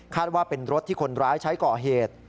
ว่าเป็นรถที่คนร้ายใช้ก่อเหตุ